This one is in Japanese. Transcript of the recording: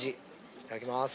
いただきます。